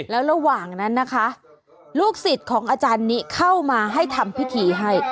แล้วระหว่างนั้นนะคะลูกศิษย์ของอาจารย์นี้เข้ามาให้ทำพิธีให้